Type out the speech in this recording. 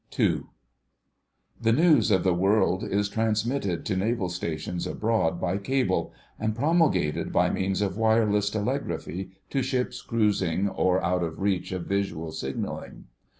*II.* The news of the world is transmitted to Naval Stations abroad by cable, and promulgated by means of Wireless Telegraphy to ships cruising or out of reach of visual signalling.